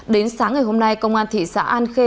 đến sáng ngày hôm nay công an thị xã an khê